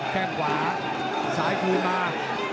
แค่งวาสายครูมา